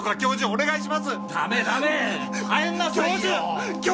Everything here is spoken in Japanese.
お願いします。